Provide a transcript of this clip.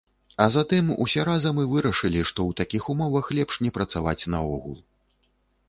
А затым усе разам і вырашылі, што ў такіх умовах лепш не працаваць наогул.